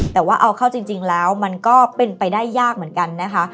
แต่ว่าเอาเข้าจริงแล้วมันก็เป็นไปได้ยากเหมือนกันนะคะ